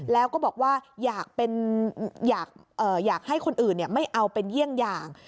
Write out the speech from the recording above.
แล้วก็บอกว่าอยากให้คนอื่นไม่เอาเป็นเยี่ยงอย่าง